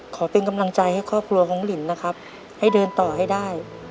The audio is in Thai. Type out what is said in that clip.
ขอเป็นกำลังใจให้ครอบครัวของลินนะครับให้เดินต่อให้ได้